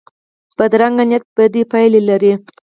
بدرنګه نیت بدې پایلې لري